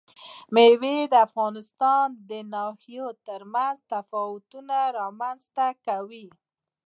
مېوې د افغانستان د ناحیو ترمنځ تفاوتونه رامنځ ته کوي.